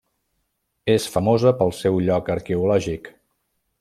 És famosa pel seu lloc arqueològic.